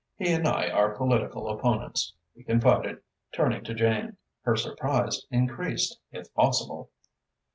He and I are political opponents," he confided, turning to Jane. Her surprise increased, if possible.